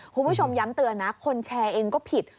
คุณผู้ชมย้ำเตือนนะคนแชร์เองก็ผิด